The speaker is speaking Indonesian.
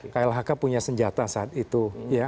klhk punya senjata saat itu